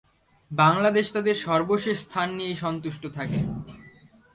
বাংলাদেশ তাদের সর্বশেষ স্থান নিয়েই সন্তুষ্ট থাকে।